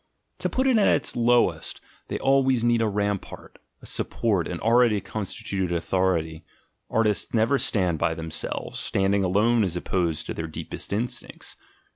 To put it at the lowest, they always need a rampart, a support, an al ready constituted authority: artists never stand by them ASCETIC IDEALS 101 selves, standing alone is opposed to their deepest instincts.